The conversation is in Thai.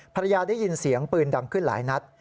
ภรรยาได้ยินเสียงปืนดำขึ้นหลายนัด